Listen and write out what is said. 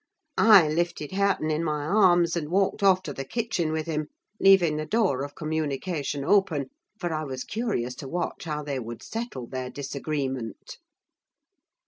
I lifted Hareton in my arms, and walked off to the kitchen with him, leaving the door of communication open, for I was curious to watch how they would settle their disagreement.